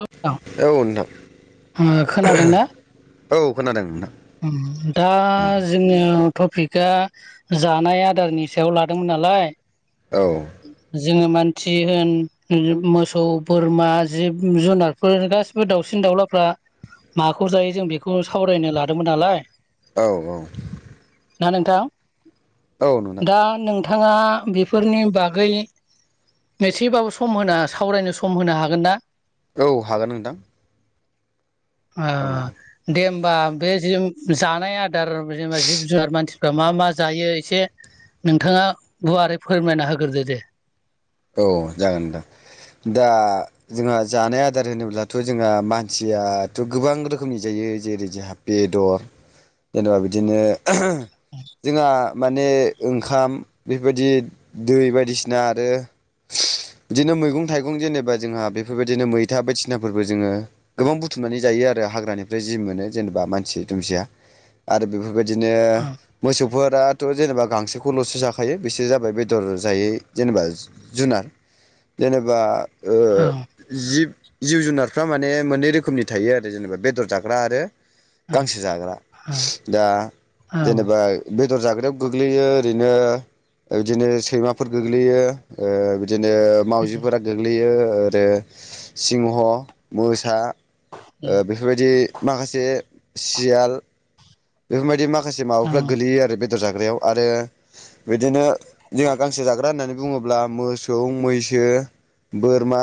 [unintelligible] औ नोंथां ओ खोनादोंना औ खोनादों नोंथां उम दा जोंनियाव टपिकआ जानाय आदारनि सायाव लादोंमोन नालाय औ जोङो मानसि होन मोसौ बोरमा जिब जुनारफोर गासिबो दासिम दाउलाफ्रा माखौ जायो जों बेखौ सावरायनो लादोंमोन नालाय औ औ ना नोंथां औ नोंथां दा नोंथाङा बेफोरनि बागै गै एसेबाबो सम होना सावरायनो सम होनो हागोन ना औ हागोन नोंथां ओ औ दे होमबा बे जों जानाय आदार जेनेबा जिब जुनार मानसि गा मा मा जायो एसे नोंथाङा गुवारै फोरमायना होग्रोदो दे औ जागोन नोंथां दा जोंहा जानाय आदार होनोब्लाथ‌ जोंहा मानसियाथ गोबां रोखोमनि जायो जेरै जोंहा बेदर जेनेबा बिदिनो जोंहा माने ओंखाम बेफोरबायदि दै बायदिसिना आरो [inaudible] [unintelligible] बिदिनो मैगं थाइगं जेनेबा जोंहा बेफोरबायदिनो मैथा बायदिसिनाफोरबो जोङो गोबां बुथुमनानै जायो आरो हाग्रानिफ्राय जि मोनो जेनेबा मानसि दुमसिया आरो बेफोर बेबायदिनो औ मोसौफोरा थ जेनेबा गांसोखौलसो जाखायो बिसोरो जाबाय बेदर जायै जेनेबा जुनार जेनेबा ओ औ जिब जिब जुनार फ्रा माने मोननै रोखोमनि थायो आरो जेनेबा बेदर जाग्रा आरो औ गांसो जाग्रा औ दा औ जेनेबा बे बेदर जाग्रायाव गोग्लैयो ओरैनो बिदिनो सैमाफोर गोग्लैयो ओ बिदिनो मावउजिफोरा गोग्लैयो ओरो सिंह मोसा ओ बेफोरबायदि माखासे सियाल बेफोरबायदि माखासे माबाफ्रा गोलैयो आरो बे बेदर जाग्रायाव आरो बिदिनो जोंहा गांसे जाग्रा होननानै बुङोब्ला मोसौ मैसो मैसो बोरमा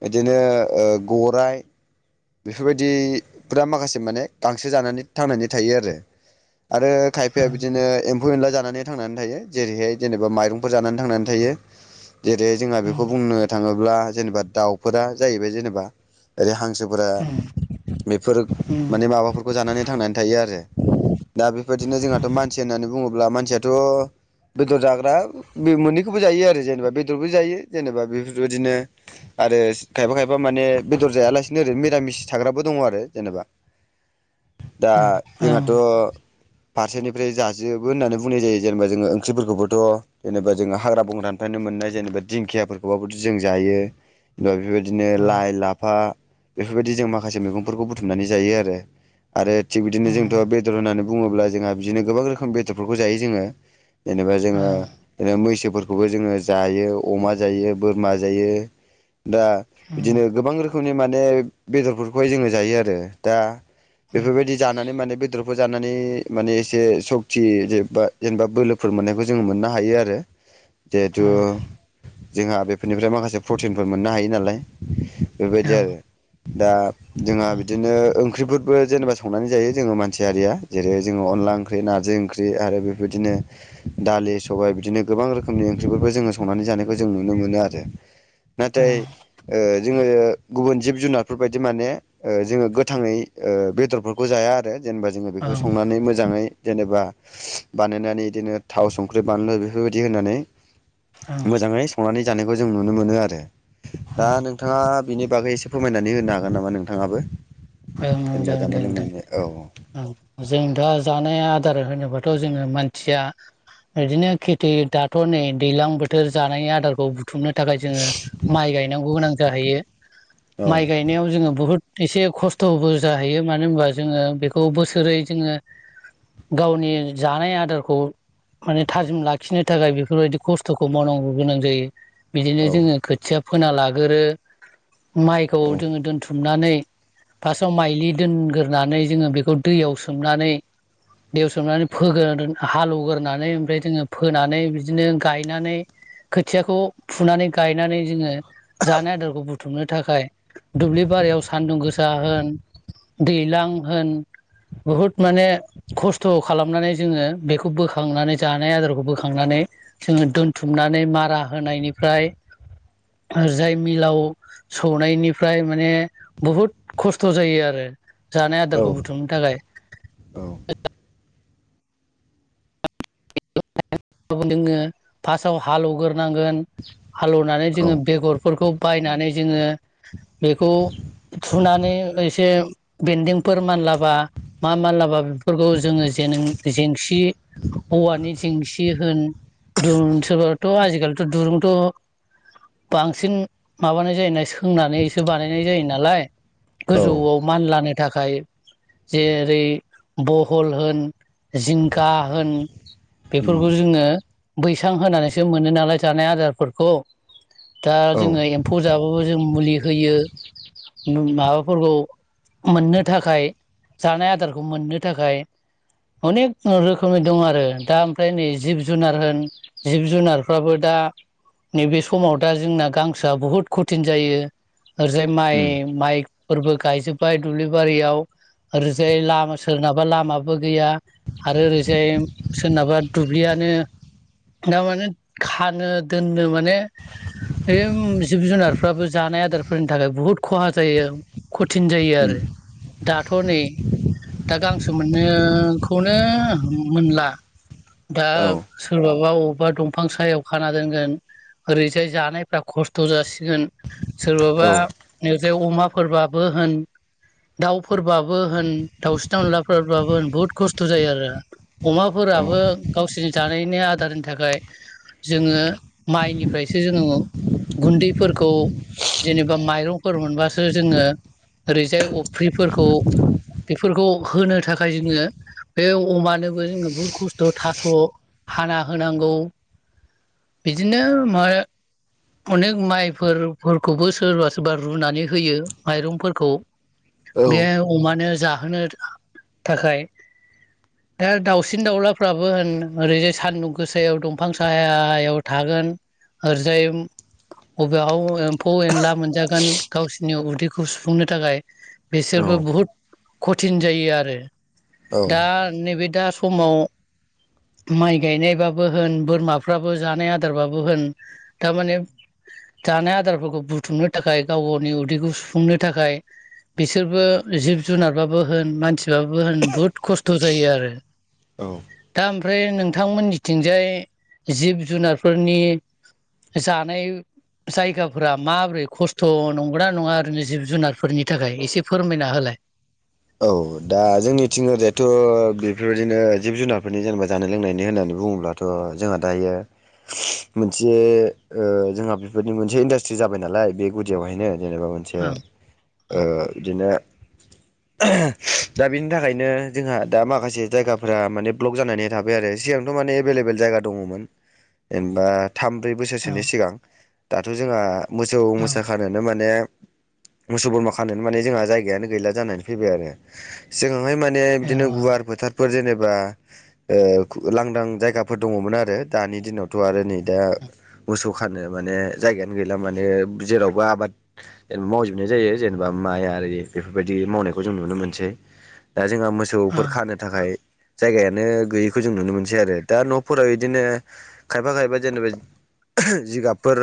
बिदिनो गराइ बेफोरबायदिफोरा माखासे माने गांसो जानानै थांनानै थायो आरो आरो खायफाया बिदिनो एमफौ एनला जानानै थांनानै थायो जेरैहाय जेनेबा माइरंफोर जानानै थांनानै थायो जेरै जोंहा बेखौ बुंनो थाङोब्ला जेनेबा दाउफोरा जाहैबाय जेनेबा ओरै हांसो उम बेफोर माने माबाफोरखौ जानानै थांनानै थायो आरो दा बेफोबायदिनो जोंहाथ मानसि होननानै बुङोब्ला मानसियाथ' बेदर जाग्रा बे मोननैखौबो जायो आरो जेनेबा बेदरबो जायो जेनेबा बेफोरबायदिनो आरो खायफा खायबा माने बेदर जायालासिनो नो ओरै निरामिस थाग्राबो दङ आरो जेनेबा दा जोंहाथ फारसेनिफ्राय जाजोबो होननानै बुंनाय जायो जेनेबा जोङो ओंख्रिफोरखौबोथ जेनेबा जोंङो हाग्रा बंग्रानिफ्रायनो मोन नाय जेनेबा दिंखियाफोरखौबाबोथ जों जायो बेफोरबायदि बिदिनो लाइ लाफा बेफोरबायदि जों माखासे मैगंफोरखौ बुथुमनानै जायो आरो आरो थिग बिदिनो जोंथ बेदर होननानै बुङोब्ला जोंहा बिदिनो गोबां रोखोम बेदरफोरखौ जायो जोङो जेनेबा जोङो ओ मैसोफोरखौबो जोङो जायो अमा जायो बोरमा जायो दा बिदिनो गोबां रोखोमनि माने बेदरफोरखौहाय जों जायो आरो दा बेफोरबायदि जानानै माने बेदर फोरजों जानानै माने एसे सकति जेरेबा जेनेबा बोलोफोर मोननायखौ जोङो मोननो हायो आरो जिहेथु जोंहा बेफोरनिफ्राय माखासे प्रटिनफोर मोननो हायो नालाय बेबायदि आरो दा जोंहा औ बिदिनो ओंख्रि बो जेनेबा संनानै जायो जोङो मानसि हारिया जेरै जोङो अनला ओंख्रि नारजि ओंख्रि आरो बेफोबायदिनो दालि सबाय बिदिनो गोबां रोखोमनि ओंख्रिफोरबो जोङो संनानै जानायखौ जों नुनो मोनो आरो नाथाय ओ जोङो गुबुन जिब जुनार फोरबायदि माने ओ जोङो गोथाङै ओ बेदरफोरखौ जाया आरो जेनेबा जोङो बेखौ संनानै मोजाङै जेनेबा बानायनानै बिदिनो थाव संख्रि बानलु बेफोरबायदि होनानै औ मोजाङै संनानै जानायखौ जों नुनो मोनो आरो दा नोंथाङा बिनि बागै एसे फोरमायनानै होनो हागोन नामा नोंथाङाबो ओं जेनेबा जागोन जानाय दे नोंथां लोंनायनि औ औ जों दा जानाय आदार होनोबाथ' जोङो मानसिया बिदिनो खेथि दाथ' नै दैलां बोथोर जानायनि आदारखौ बु थुमनो थाखाय जोङो माइ गायनांगौ गोनां जाहैयो औ माइ गायनायाव जोङो बहुद एसे खस्थ'बो जाहैयो मानो होनबा जोङो बेखौ बोसोरै जोङो गावनि जानाय आदारखौ माने थाजिम लाखिनो थाखाय बेफोरबायदि खस्थ'खौ मावनांगौ गोनां जायो बिदिनो औ जोङो खोथिया फोना लागोरो माइखौ जोङो दोनथुम नानै फार्सआव माइलि दोनग्रोनानै जोङो बेखौ दैयाव सोमनानै दैेयावसोमनानै फोग्रोना दोन हालौवगोरोनानै ओमफ्राय जोङो फोनानै बिदिनो गायनानै खोथियाखौ फुनानै गायनानै जोङो जानाय आदारखौ बुथुमनो थाखाय दुब्लि बारियाव सानदुं गोसा होन दैलां होन बहुद माने खस्थ' खालामनानै जोङो बेखौ बोखांनानै जानाय आदारखौ बोखांनानै नै जोङो दोनथुमनानै मारा होनायनिफ्राय जाय मिलाव सौनायनिफ्राय माने बहुत खस्थ' जायो आरो जानाय औ आदारखौ बुथुमनो थाखाय औ [unintelligible] जोङो फार्सआव हालौग्रोनांगोन हालौवनानै औ जोङो बेगरफोरखौ बायनानै जोङो बेखौ थुनानै एसे बेन्दोंफोर मानलाबा मा मानलाबा बेफोरखौ जोङो जेनो जेंसि औवानि जेंसि होन दु सोरबाथ' आजिखालिथ' दुरुंथ' बांसिन माबानाय जायो ना सोंनानैसो बानायनाय जायो नालाय औ गोजौआव मान लानो थाखाय जेरै बहल होन जिंखा होन उम बेफोरखौ जोङो बैसां होनानैसो मोनो नालाय जानाय आदारफोरखौ दा औ जोङो एम्फौ जाबाबो जों मुलि होयो मु माबाफोरखौ मोननो थाखाय जानाय आदारखौ मोननो थाखाय अनेक रोखोमनि दं आरो दा ओमफ्राय नै जिब जुनार होन जिब जुनारफ्राबो दा नैबे समाव दा जोंना गांसोआ बुहुद खथिन जायो ओरैजाय माइ उम माइ फोरबो गायजोबबाय दुब्लि बारियाव ओरैजाय लामा सोरनाबा लामाबो गैया आरो ओरैजाय बा दुब्लियानो दा माने खानो दोननो माने बेजों जिब जुनारफ्राबो जानाय आदारफोरनि थाखाय बुहुद खहा जायो खथिन जायो उम आरो दाथ' नै दा गां सोमोननो खौनो मोनला। दा औ सोरबाबा अ बा दंफां सायाव खाना दोनगोन ओरैजाय जानायफ्रा खस्थ' जासि गोन औ सोरबाबा ओजाय अमाफोरबाबो होन। दाउफोरबाबो होन दाउस्रि दावनलाफोरबाबो होन बुहुद खस्थ' जायो आरो अमा फोराब गावसिनि जानायनि आदारनि थाखाय जोङो माइनिफ्रायसो जोङो गुन्दैफोरखौ जेनेबा माइरंफोर मोनबासो जोङो ओरैजाय अफ्रिफोरखौ बेफोरखौ होनो थाखाय जोङो बे अमानोबो जोङो बहुद खस्थ' थास' हाना होनांगौ बिदिनो मा अनेक माइफोर फोरखौबो सोरबा सोरबा रुनानै होयो माइरंफोरखौ बे अमानो जाहोनो थाखाय दा दाउसिन सिन दाउलाफ्राबो होन ओरैजाय सानदुं गोसायाव दंफां साहायाव थागोन आरजाय अबेयाव एम्फौ एनला मोनजागोन गावसिनि उदैखौ सुफुंनो थाखाय बेसोर औ बो बुहुत खथिन जायो आरो औ दा नैबे दा समाव माइ गायनायबाबो होन बोरमाफ्राबो जानाय आदारबाबो होन थारमाने जानाय आदारफोरखौ बुथुमनो थाखाय गाव गावनि उदैखौ सुफुंनो थाखाय बिसोरबो जिब जुनारबाबो होन मानसिबाबो होन बुहुद खस्थ' जायो आरो। औ दा ओमफ्राय नोंथांमोननिथिंजाय जिब जुनारफोरनि जानाय जायगाफोरा माबोरै खस्थ' नंग'ना नङा ओैरैनो जिब जुनारफोरनि थाखाय एसे फोरमायना होलाय। [inaudible] औ दा जोंनिथिं ओरजायथ' बेफोरबायदिनो जिब जुनारफोरनि जेनेबा जानाय लोंनायनि होननानै बुङोब्लाथ' जोंहा दायो मोनसे ओ जोंहा बेबायदि मोनसे इन्डास्ट्रि जाबाय नालाय बे गुदियावहायनो जेनेबा मोनसे ओं ओं ओ बिदिनो दा बेनि थाखायनो जोंहा दा माखासे जायगाफोरा माने ब्लक जानानै थाबाय आरो सिगांथ' माने एभेलेबेल जायगा दङ'मोन जेनेबा थाम ब्रै बोसोरसोनि ओं सिगां दाथ' जोंहा मोसौ मोसा ओं खानोनो माने मोसौ बोरमा खानोनो माने जोंहा जायगायानो गैला जानानै फैबाय आरो जों हाय माने बिदिनो गुवार फोथारफोर जेने बा ओ लांदां जायगाफोर दङ'मोन आरो दानि दिनावथ' आरो नै दा मोसौ खानो माने जायगायानो गैला माने जेरावबो आबाद जेनेबा मावजोबनाय जायो जेनेबा माय आरि बेफोरबायदि मावनायखौ जों नुनो मोनसै दा जोंहा मोसौफोर ओं खानो थाखाय जायगायानो गैयैखौ जों नुनो मोनसै आरो दा न'फोराव बिदिनो खायफा खायफा जेनेबा जिगाबफोर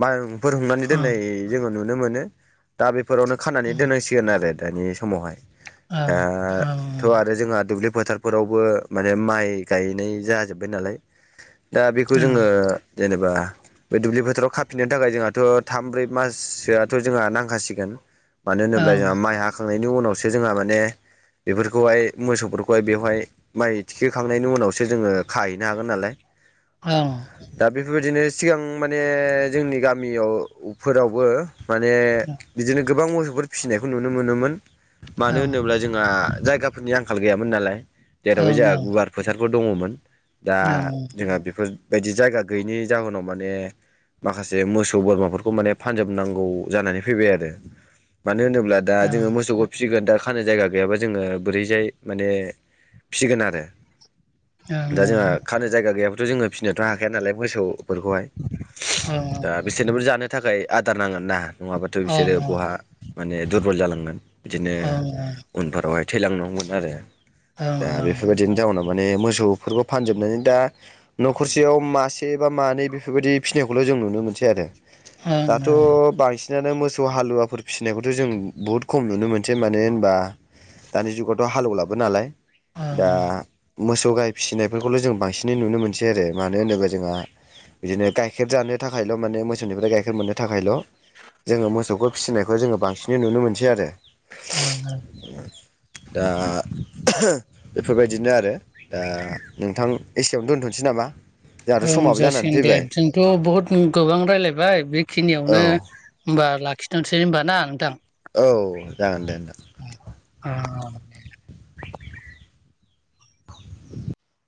मा फोर हुननानै ओं दोननाय जोङो नुनो मोनो दा बेफोरावनो खानानै ओं दोननांसिगोन आरो दानि समावहाय दा ओं थ' आरो जोंहा दुब्लि फोथारफोरावबो माने माइ गायनाय जाजोबबाय नालाय दा बेखौ ओं जोङो जेनेबा बे दुब्लि फोथाराव खाफिननो थाखाय जोंहाथ' थाम ब्रै माससोआथ' जोंहा नांखासिगोन मानो होनोब्ला ओं जोंहा माइ हाखांनायनि उनावसो जोंहा माने बेफोरखौहाय मोसौफोरखौहाय बेवहाय माइ थिखोखांनायनि उनावसो जोङो खाहैनो हागोन नालाय। औ दा बेफोरबायदिनो सिगां माने जोंनि गामियाव फोरावबो माने बिदिनो गोबां मोसौफोर फिसिनायखौ नुनो मोनोमोन मानो होनोब्ला जोंहा जायगाफोरनि आंखाल गैयामोन नालाय जेरावहाय ओं जोंहा गुवार फोथार फोर दङमोन दा ओं ओं ओं जोंहा बेफोरबायदि जायगा गैयैनि जाहोनाव माने माखासे मोसौ बोरमाफोरखौ माने फानजोबनांगौ जानानै फैबाय आरो। मानो होनोब दा ओं जोङो मो फिसिगोन दा खानो जायगा गैयाबा जोङो बोरैजाय माने फिसिगोन आरो दा जोंहा खानो जायगा गैयाब्लाथ' जोङो फिनोथ' हाखाया नालाय मोसौ फोरखौहाय दा बिसोरनोबो जानो थाखाय आदार नांगोन ना? नङाबाथ' बिसोरो ओं ओं ओं बहा माने दुरबल जाालांगोन बिदिनो उनफोर हाय थैलांनांगौमोन आरो दा बेफोरबायदिनि जाउनाव माने मोसौफोरखौ फानजोबनानै दा न'खरसेयाव मासे बा मानै बेफोरबायदि फिसिनायखौल' जों नुनो मोनसै आरो ओं दाथ' ओं बांसिनानो मोसौ हालुवाफोर फिसिनायखौथ' जों बहुत खम खम नुनो मोनसै मानो होनबा दानि जुगावथ' हालेवलाबो नालाय दा मोसौ गाय फिसिनायफोरखौल' जों बांसिनै नुनो मोनसै आरो मानो होनोब्ला जोंहा बिदिनो गाइखेर जानो थाखायल' माने मोसौनिफ्राय गाइखेर मोननो थाखायल' जोङो मोसौखौ फिसिनायखौ जोङो बांसिनै नुनो मोनसै आरो। ओं [unintelligible] दा बेफोरबायदिनो आरो दा नोंथां एसेयावनो दोनथ'नोसै नामा? जोंहाथ' ओं समाबो जानानै जासिगोन दे फैबाय जोंथ' बहुद गोबां रायलायबाय औ बेखिनियावनो होनबा लाखि खिथासै होनबा ना नोंथां औ जागोन दे आ [unintelligible] [inaudible]